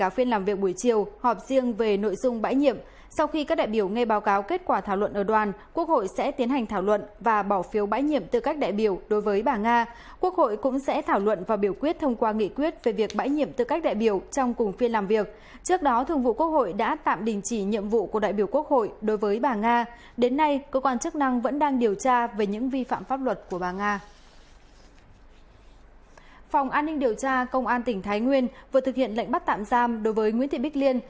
phòng an ninh điều tra công an tỉnh thái nguyên vừa thực hiện lệnh bắt tạm giam đối với nguyễn thị bích liên